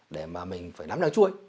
để mà mình phải nắm đằng chui